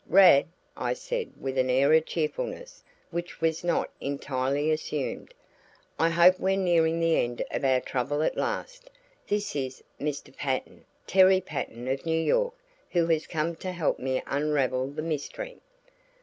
"Rad," I said with an air of cheerfulness which was not entirely assumed, "I hope we're nearing the end of our trouble at last. This is Mr. Patten Terry Patten of New York, who has come to help me unravel the mystery."